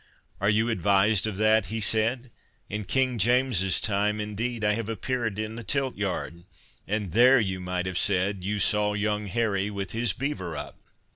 "Are you advised of that?" he said. "In King James's time, indeed, I have appeared in the tilt yard, and there you might have said— 'You saw young Harry with his beaver up.